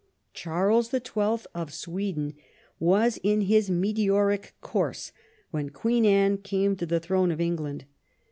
Charles the Twelfth of Sweden was in his meteoric course when Queen Anne came to the throne of Eng land.